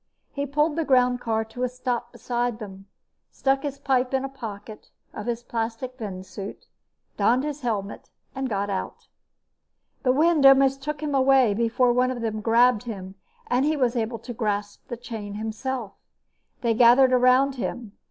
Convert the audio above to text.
He pulled the groundcar to a stop beside them, stuck his pipe in a pocket of his plastic venusuit, donned his helmet and got out. The wind almost took him away before one of them grabbed him and he was able to grasp the chain himself. They gathered around him.